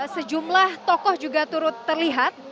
sejumlah tokoh juga turut terlihat